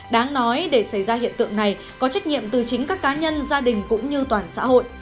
đáng nói để xảy ra hiện tượng này có trách nhiệm từ chính các cá nhân gia đình cũng như toàn xã hội